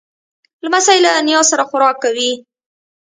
لمسی له نیا سره خوراک کوي.